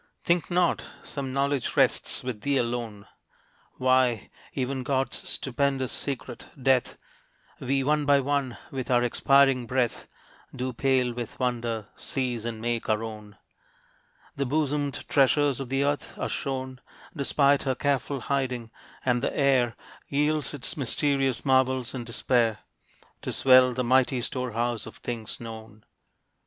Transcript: Think not some knowledge rests with thee alone; Why, even God's stupendous secret, Death, We one by one, with our expiring breath, Do pale with wonder seize and make our own; The bosomed treasures of the earth are shown, Despite her careful hiding; and the air Yields its mysterious marvels in despair To swell the mighty store house of things known.